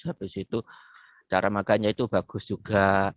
habis itu cara makannya itu bagus juga